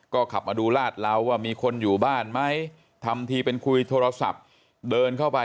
ก็ขับมาดูลาดเหลาว่ามีคนอยู่บ้านไหมทำทีเป็นคุยโทรศัพท์เดินเข้าไป